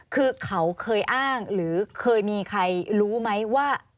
คือเขาเคยอ้างหรือเคยมีใครรู้ไหมว่า